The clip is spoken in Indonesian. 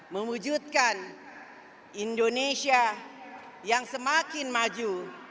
mewujudkan indonesia yang semakin maju